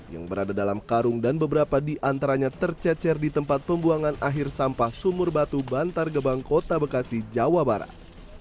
yang berada dalam karung dan beberapa di antaranya tercecer di tempat pembuangan akhir sampah sumur batu bantar gebang kota bekasi jawa barat